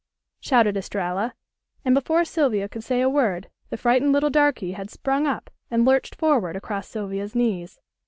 shouted Estralla, and before Sylvia could say a word the frightened little darky had sprung up and lurched forward across Sylvia's knees.